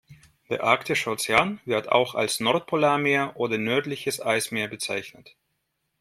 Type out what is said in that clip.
Der Arktische Ozean, wird auch als Nordpolarmeer oder nördliches Eismeer bezeichnet.